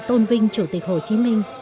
tôn vinh chủ tịch hồ chí minh